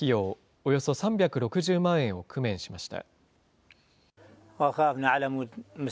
およそ３６０万円を工面しました。